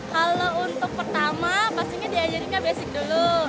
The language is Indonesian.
kalau untuk pertama pastinya diajari ke basic dulu